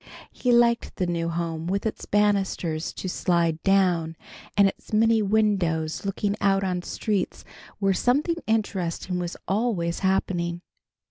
He liked the new home with its banisters to slide down, and its many windows looking out on streets where something interesting was always happening.